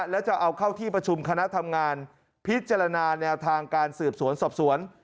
แล้วจะเอาเข้าที่ประชุมคณะทำงานพิจารณาแนวทางการสืบสวนสอบสวน